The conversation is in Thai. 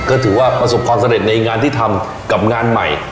ก็ถือว่าประสบความสำเร็จในงานที่ทำกับงานใหม่